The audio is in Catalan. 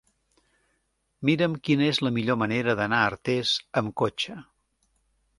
Mira'm quina és la millor manera d'anar a Artés amb cotxe.